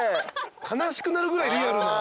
悲しくなるぐらいリアルな。